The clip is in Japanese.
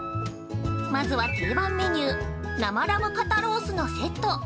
まずは定番メニュー、生ラム肩ロースのセット。